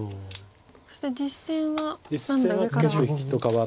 そして実戦はなので上から。